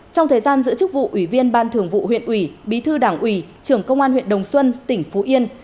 trong thời gian giữ chức vụ ủy viên ban thường vụ huyện ủy bí thư đảng ủy trưởng công an huyện đồng xuân tỉnh phú yên